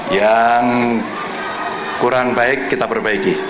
yang kurang baik kita perbaiki